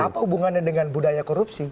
apa hubungannya dengan budaya korupsi